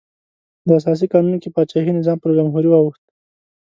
د اساسي قانون کې پاچاهي نظام په جمهوري واوښت.